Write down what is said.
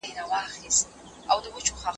هیپو 🦛